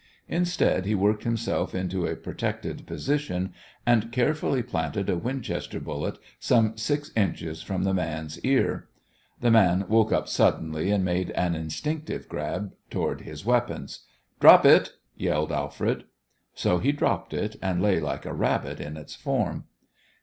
Instead, he worked himself into a protected position and carefully planted a Winchester bullet some six inches from the man's ear. The man woke up suddenly and made an instinctive grab toward his weapons. "Drop it!" yelled Alfred. So he dropped it, and lay like a rabbit in its form.